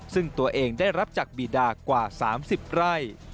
ซึ่งตัวเองได้รับจากบีดากว่า๓๐ไร่